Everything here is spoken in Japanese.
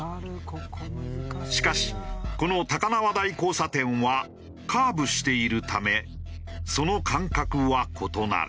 しかしこの高輪台交差点はカーブしているためその感覚は異なる。